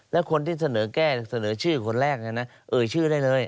แล้วคนที่เสนอแก้เสนอชื่อคนแรกเอ่ยชื่อได้เลย